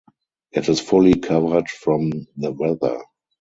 It is fully covered from the weather.